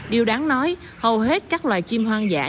điều đáng nói hầu hết các loài chim hoang dã